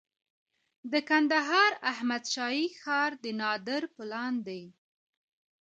د کندهار احمد شاهي ښار د نادر پلان دی